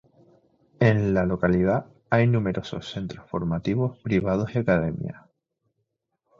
En la localidad hay numerosos centros formativos privados y academias.